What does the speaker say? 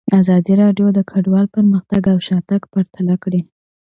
ازادي راډیو د کډوال پرمختګ او شاتګ پرتله کړی.